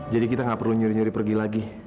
jadi kita gak perlu nyuri nyuri pergi lagi